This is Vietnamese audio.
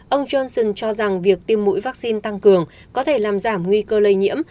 ông johnson cho rằng việc tiêm mũi vaccine tăng cường có thể làm giảm nguy cơ lây nhiễm